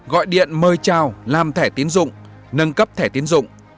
gọi điện mời trao làm thẻ tiến dụng nâng cấp thẻ tiến dụng